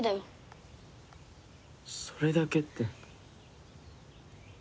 それだけって。